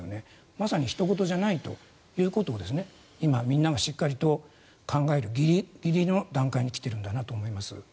まさにひと事じゃないということを今、みんながしっかりと考えるギリギリの段階に来てるんだと思います。